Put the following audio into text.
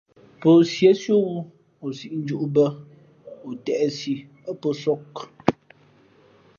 Pō síésí ō wū o sīʼ njūʼ bᾱ, o têʼsi ά pō sōk ō.